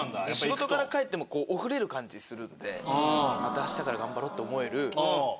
仕事から帰ってもオフれる感じするんでまた明日から頑張ろうって思える。